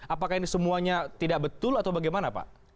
apakah ini semuanya tidak betul atau bagaimana pak